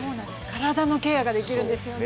体のケアができるんですよね。